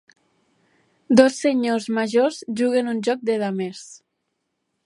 Dos senyors majors juguen un joc de damers.